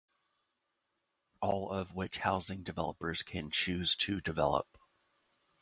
All of which housing developers can choose to develop.